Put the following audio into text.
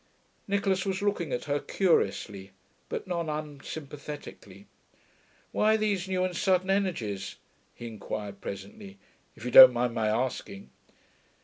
Nicholas was looking at her curiously, but not unsympathetically. 'Why these new and sudden energies?' he inquired presently. 'If you don't mind my asking?'